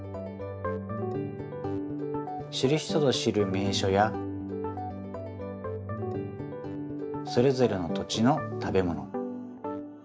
知る人ぞ知る名しょやそれぞれの土地の食べもの。